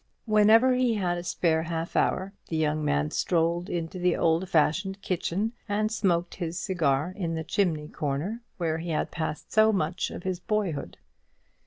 Whenever he had a spare half hour, the young man strolled into the old fashioned kitchen, and smoked his cigar in the chimney corner, where he had passed so much of his boyhood.